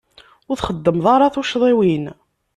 Ur txeddmeḍ ara tuccḍiwin.